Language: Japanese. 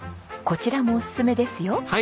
こちらもおすすめですよ。